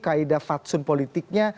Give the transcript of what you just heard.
kaedah fatsun politiknya